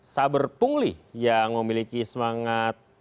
saber pungli yang memiliki semangat